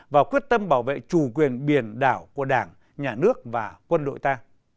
và quyết tâm bảo vệ chủ quyền biển đảo của đảng nhà nước và quân đội ta